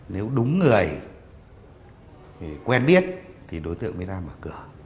nếu đúng người quen biết thì đối tượng mới ra mở cửa